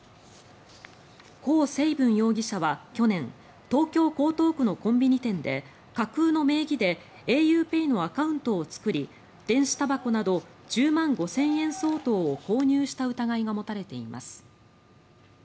コウ・セイブン容疑者は去年東京・江東区のコンビニ店で架空の名義でａｕＰＡＹのアカウントを作り電子たばこなど１０万５０００円相当を購入した疑いが持たれています。